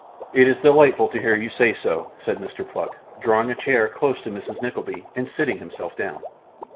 'It is delightful to hear you say so,' said Mr. Pluck, drawing a chair close to Mrs. Nickleby, and sitting himself down.